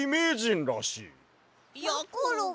やころが。